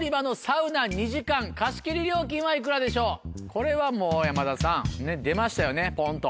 これはもう山田さん出ましたよねポンと。